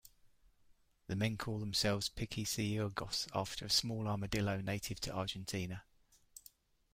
The men call themselves "pichiciegos," after a small armadillo native to Argentina.